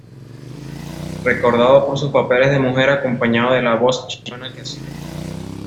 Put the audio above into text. Recordado por sus papeles de mujer acompañado de la voz chillona que hacía.